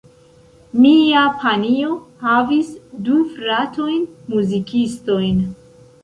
Mia panjo havis du fratojn muzikistojn.